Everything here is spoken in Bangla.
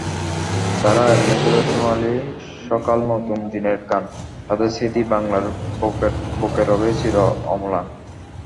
তাঁরা এনে দিল সোনালি সকালনতুন দিনের গান, তাঁদের স্মৃতি বাংলার বুকেরবে চির অম্লান।